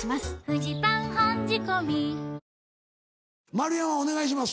丸山お願いします。